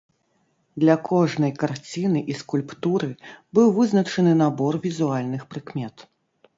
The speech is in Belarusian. Для кожнай карціны і скульптуры быў вызначаны набор візуальных прыкмет.